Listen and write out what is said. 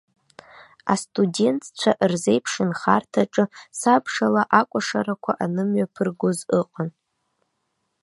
Астудентцәа рзеиԥшнхарҭаҿы сабшала акәашарақәа анымҩаԥыргоз ыҟан.